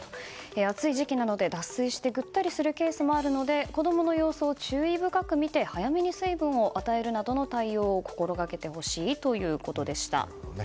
暑い時期なので、脱水してぐったりするケースもあるので子供の様子を注意深く見て早めに水分を与えるなどの対応を心掛けてほしいということでした。